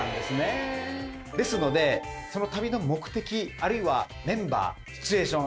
ですのでその旅の目的あるいはメンバーシチュエーション